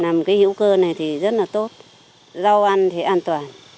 làm cái hữu cơ này thì rất là tốt rau ăn thì an toàn